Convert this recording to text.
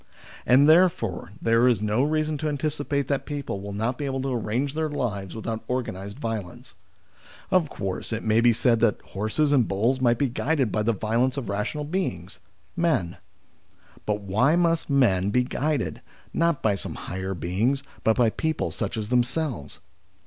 And, therefore, there is no reason to anticipate that people will not be able to arrange their lives without organised violence. Of course, it may be said that horses and bulls must be guided by the violence of rational beings men ; but why must men be guided, not by some higher beings, but by people such as them selves